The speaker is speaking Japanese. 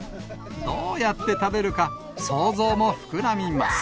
どうやって食べるか、想像も膨らみます。